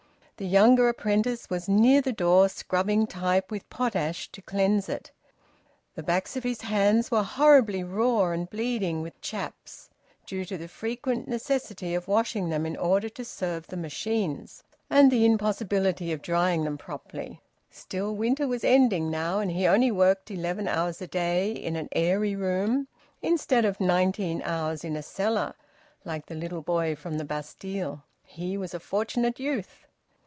The younger apprentice was near the door scrubbing type with potash to cleanse it. The backs of his hands were horribly raw and bleeding with chaps, due to the frequent necessity of washing them in order to serve the machines, and the impossibility of drying them properly. Still, winter was ending now, and he only worked eleven hours a day, in an airy room, instead of nineteen hours in a cellar, like the little boy from the Bastille. He was a fortunate youth.